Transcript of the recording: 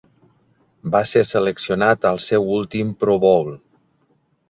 Va ser seleccionat al seu últim Pro Bowl.